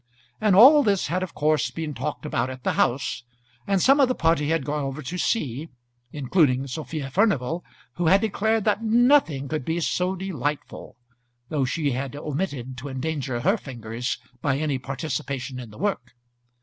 And all this had of course been talked about at the house; and some of the party had gone over to see, including Sophia Furnival, who had declared that nothing could be so delightful, though she had omitted to endanger her fingers by any participation in the work.